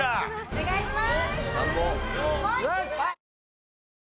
お願いします！